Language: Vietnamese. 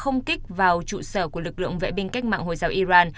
không kích vào trụ sở của lực lượng vệ binh cách mạng hồi giáo iran